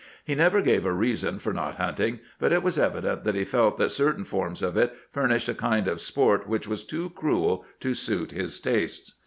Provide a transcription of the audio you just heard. He never gave a reason for not hunting, but it was evident that he felt that certain forms of it furnished a kind of sport which was too cruel to suit his tastes.